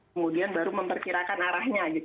kemudian baru memperkirakan arahnya